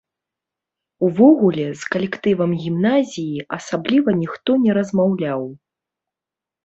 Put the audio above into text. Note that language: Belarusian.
Увогуле, з калектывам гімназіі асабліва ніхто не размаўляў.